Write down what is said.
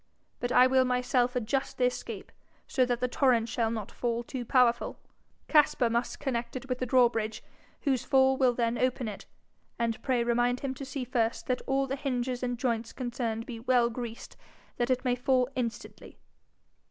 But I will myself adjust the escape, so that the torrent shall not fall too powerful; Caspar must connect it with the drawbridge, whose fall will then open it. And pray remind him to see first that all the hinges and joints concerned be well greased, that it may fall instantly.'